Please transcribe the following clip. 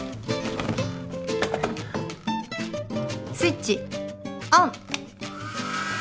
スイッチオン！